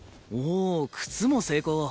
おお靴も成功。